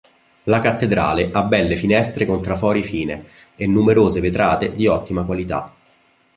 La cattedrale ha belle finestre con trafori fine e numerose vetrate di ottima qualità.